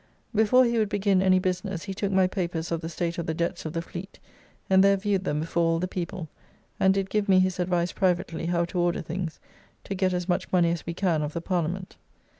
Before he would begin any business, he took my papers of the state of the debts of the Fleet, and there viewed them before all the people, and did give me his advice privately how to order things, to get as much money as we can of the Parliament.